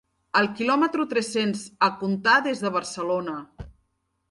El quilòmetre tres-cents a comptar des de Barcelona.